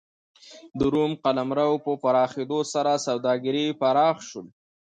د روم قلمرو په پراخېدو سره سوداګري پراخ شول.